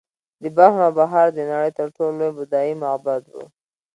د بلخ نوبهار د نړۍ تر ټولو لوی بودايي معبد و